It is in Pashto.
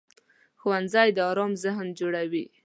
ښوونځی د ارام ذهن جوړوي